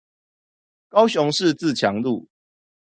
高雄市自強路